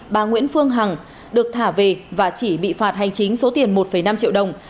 bà nguyễn phương hằng được thả về và chỉ bị phạt hành chính số tiền một năm triệu đồng